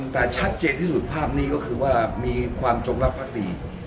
แต่ชัดเจนที่สุดภาพนี้ก็คือว่ามีความจงรักภักดี